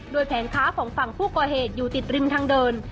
แผงค้าของฝั่งผู้ก่อเหตุอยู่ติดริมทางเดิน